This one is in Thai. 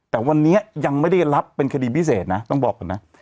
แต่วันนี้ยังไม่ได้รับเป็นคดีพิเศษนะต้องบอกก่อนนะ